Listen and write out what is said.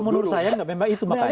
kalau menurut saya memang itu makanya